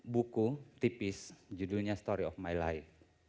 buku tipis judulnya story of my life